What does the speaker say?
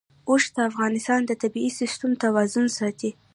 اوښ د افغانستان د طبعي سیسټم توازن ساتي.